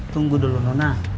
tunggu dulu nona